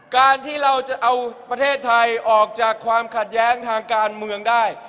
การที่เราจะเอาประเทศไทยออกจากความขัดแย้งทางการเมืองได้